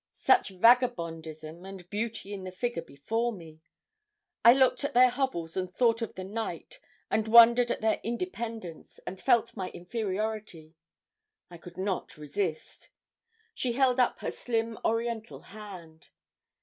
Such vagabondism and beauty in the figure before me! I looked at their hovels and thought of the night, and wondered at their independence, and felt my inferiority. I could not resist. She held up her slim oriental hand.